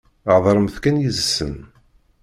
Heḍṛemt kan yid-sen.